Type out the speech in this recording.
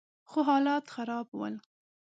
خو حالات خراب ول.